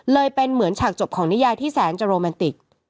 เป็นเหมือนฉากจบของนิยายที่แสนจะโรแมนติก